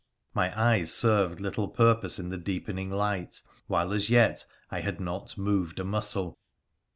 My eyes served little purpose in the deepening light, while as yet I had not moved a muscle.